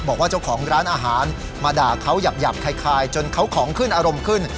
บอกว่าเจ้าของร้านอาหารมาด่าเขาหยาบคล้ายจนเขาของขึ้นอารมณ์ขึ้น